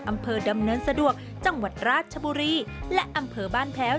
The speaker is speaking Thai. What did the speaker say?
อำเภอดำเนินสะดวกจังหวัดราชบุรีและอำเภอบ้านแพ้ว